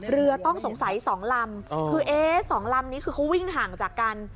เรือต้องสงสัย๒ลำคือเอ๊ะ๒ลำนี้คือเขาวิ่งห่างจากกัน